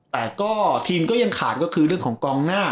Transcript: แต่ก็ทีมก็ยังขาดก็คือเรื่องของกองหน้า